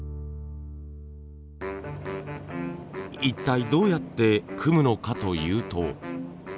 一体どうやって組むのかというと。